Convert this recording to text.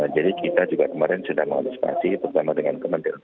jadi kita juga kemarin sudah mengantisipasi bersama dengan kementerian ppr